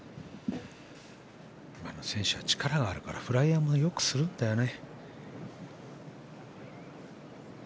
今の選手は力があるからフライヤーもよくするんだよね。